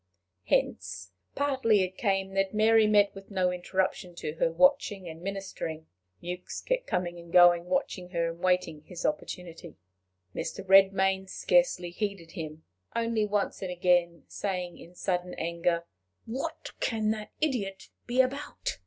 Hence partly it came that Mary met with no interruption to her watching and ministering. Mewks kept coming and going watching her, and awaiting his opportunity. Mr. Redmain scarcely heeded him, only once and again saying in sudden anger, "What can that idiot be about?